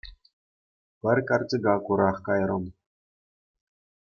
Пӗр карчӑка курах кайрӑм.